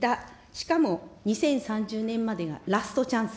しかも２０３０年までがラストチャンス。